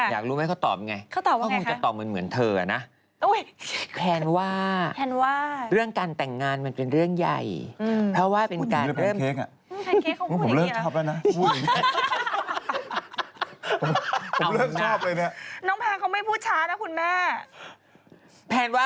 อยากรู้ไหมเขาตอบอย่างไรคงจะตอบเหมือนเธอนะแพลนว่าอุ๊ย